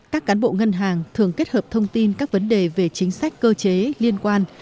các cán bộ ngân hàng thường kết hợp thông tin các vấn đề về chính sách cơ chế liên quan